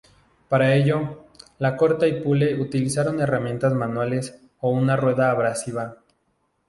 Para ello, la corta y pule utilizando herramientas manuales o una rueda abrasiva.